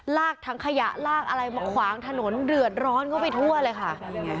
ลากถังขยะลากอะไรมาขวางถนนเดือดร้อนเข้าไปทั่วเลยค่ะ